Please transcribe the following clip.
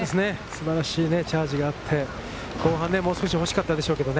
素晴らしいチャージがあって、後半もうちょっと欲しかったでしょうけど。